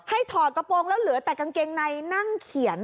ถอดกระโปรงแล้วเหลือแต่กางเกงในนั่งเขียน